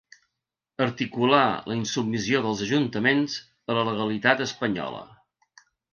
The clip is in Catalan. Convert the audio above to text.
Articular la insubmissió dels ajuntaments a la legalitat espanyola.